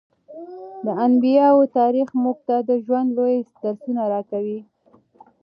د انبیاوو تاریخ موږ ته د ژوند لوی درسونه راکوي.